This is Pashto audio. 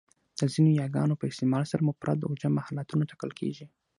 د ځینو یاګانو په استعمال سره مفرد و جمع حالتونه ټاکل کېږي.